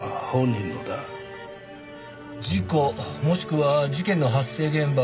事故もしくは事件の発生現場が上千住？